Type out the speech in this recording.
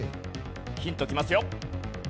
ヒントきますよ。